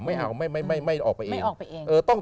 ไม่เอาไม่ออกไปเอง